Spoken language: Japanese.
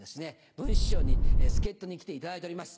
文枝師匠に助っ人に来ていただいております。